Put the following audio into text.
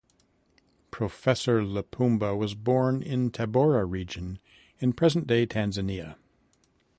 Professor Lipumba was born in Tabora Region in present-day Tanzania.